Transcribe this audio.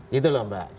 gitu loh mbak